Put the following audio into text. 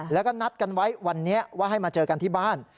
แล้วก็นัดกันไว้วันนี้ว่าให้มาเจอกันที่บ้าน